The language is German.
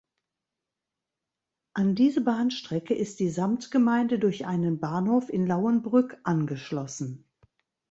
An diese Bahnstrecke ist die Samtgemeinde durch einen Bahnhof in Lauenbrück angeschlossen.